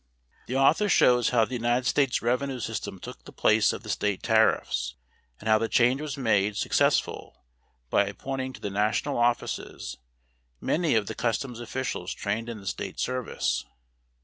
The author shows how the United States revenue system took the place of the State tariffs, and how the change was made successful by appointing to the national offices many of the customs officials trained in the State service.